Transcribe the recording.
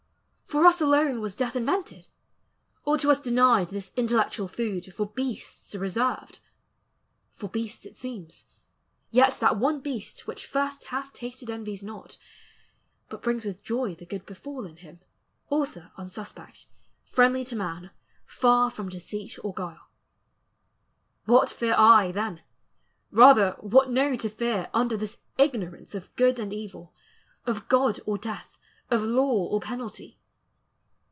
For us alone Was death invented? or to us denied This intellectual food, for beasts reserved? For beasts it seems: yet that one beast which first Hath tasted envies not, but brings with joy The good befallen him, author unsuspect, Friendly to man, far from deceit or guile. What fear I then? rather what know to fear Under this ignorance of good and evil, Of God or death, of law or penalty?